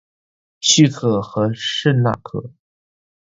叙克和圣纳克。